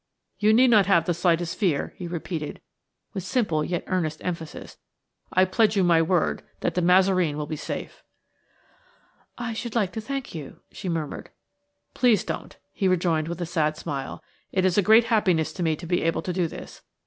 You need not have the slightest fear," he repeated, with simple yet earnest emphasis; "I pledge you my word that De Mazareen will be safe." "I should like to thank you," she murmured. "Please don't," he rejoined with a sad smile. "It is a great happiness to me to be able to do this.